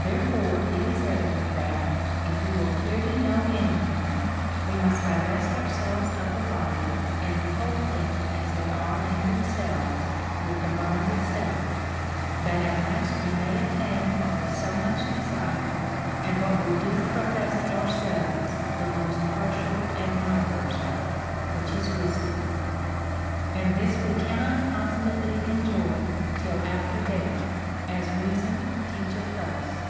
Therefore it is evident that, if we will clearly know any thing, we must divest ourselves of the body, and behold things as they are in themselves with the mind itself, that at last we may attain what we so mucli desire, and what w^ do profess ourselves the most partial admirers of, which is Avisdom. And this we cannot con summately enjoy till after death, as reason teacheth us.